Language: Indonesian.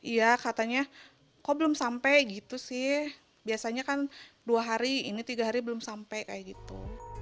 iya katanya kok belum sampai gitu sih biasanya kan dua hari ini tiga hari belum sampai kayak gitu